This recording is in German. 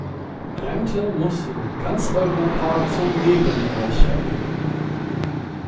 Rente muss in ganz Europa zum Leben reichen.